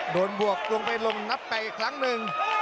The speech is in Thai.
บวกลงไปลงนับไปอีกครั้งหนึ่ง